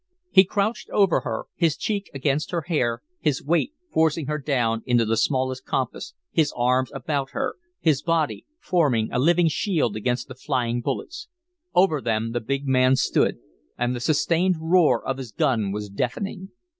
He crouched over her, his cheek against her hair, his weight forcing her down into the smallest compass, his arms about her, his body forming a living shield against the flying bullets. Over them the big man stood, and the sustained roar of his gun was deafening.